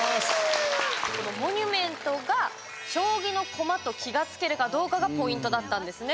モニュメントが将棋の駒と気が付けるかどうかがポイントだったんですね。